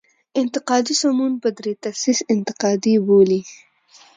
انتقادي سمون په دري تصحیح انتقادي بولي.